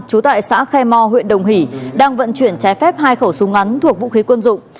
trú tại xã khe mò huyện đồng hỷ đang vận chuyển trái phép hai khẩu súng ngắn thuộc vũ khí quân dụng